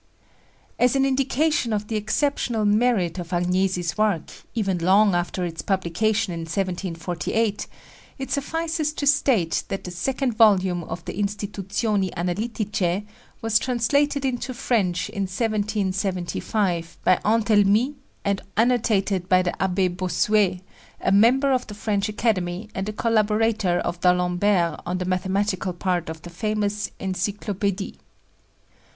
As an indication of the exceptional merit of Agnesi's work, even long after its publication in 1748, it suffices to state that the second volume of the_ Instituzioni Analitiche_ was translated into French in 1775 by Antelmy and annotated by the Abbé Bossuet, a member of the French Academy and a collaborator of D'Alembert on the mathematical part of the famous Encyclopédie.